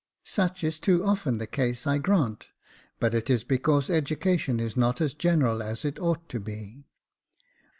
Such is too often the case I grant ; but it is because education is not as general as it ought to be.